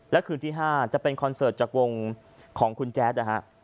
และคืนที่๕จะเป็นคอนเสิร์ตจากวงของคุณแจ๊ดนะฮะ